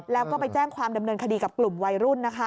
แล้วก็ไปแจ้งความดำเนินคดีกับกลุ่มวัยรุ่นนะคะ